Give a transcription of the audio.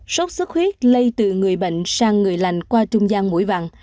sốt xuất huyết lây từ người bệnh sang người lành qua trung gian mũi vặn